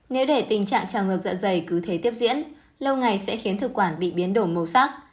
nếu để tình trạng tràng ngược dạ dày cứ thế tiếp diễn lâu ngày sẽ khiến thực quản bị biến đổi màu sắc